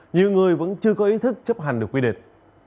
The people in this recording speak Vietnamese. nhiều người vẫn chưa có ý thức chấp hành được quy định